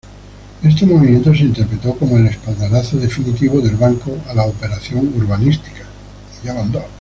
Este movimiento se interpretó como el espaldarazo definitivo del banco a la operación urbanística.